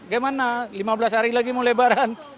gimana lima belas hari lagi mau lebaran